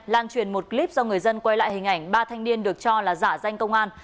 lan truyền một clip do người dân quay lại hình ảnh ba thanh niên được cho là giả danh công an